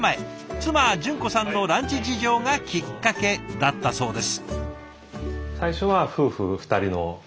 妻純子さんのランチ事情がきっかけだったそうです。